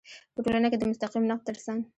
په ټولنه کې د مستقیم نقد تر څنګ